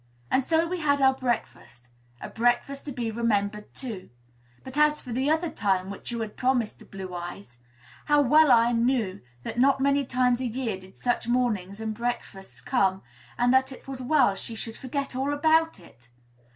And so we had our breakfast; a breakfast to be remembered, too. But as for the "other time" which you had promised to Blue Eyes; how well I knew that not many times a year did such mornings and breakfasts come, and that it was well she would forget all about it!